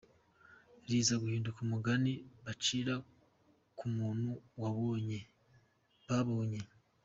riza guhinduka umugani bacira ku muntu babonye